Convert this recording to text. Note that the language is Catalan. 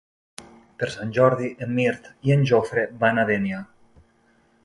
Per Sant Jordi en Mirt i en Jofre van a Dénia.